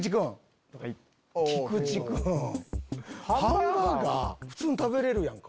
ハンバーガー普通に食べれるやんか。